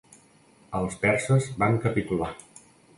Els perses van capitular.